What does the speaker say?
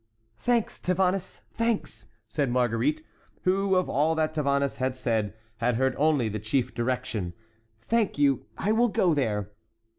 "Thanks, Tavannes, thanks!" said Marguerite, who, of all that Tavannes had said, had heard only the chief direction; "thank you, I will go there."